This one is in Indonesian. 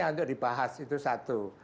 jadi itu sudah dibahas itu satu